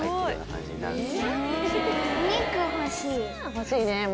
欲しいね。